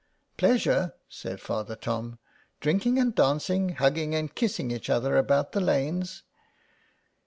" Pleasure/' said Father Tom. '* Drinking and dancing, hugging and kissing each other about the lanes."